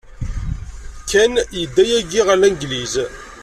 Ken yedda yagi ɣer Langliz.